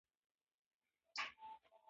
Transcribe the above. منی د افغانستان د زرغونتیا نښه ده.